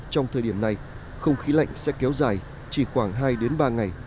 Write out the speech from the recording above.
trong thời điểm này không khí lạnh sẽ kéo dài chỉ khoảng hai ba ngày